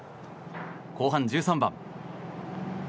後半１３番。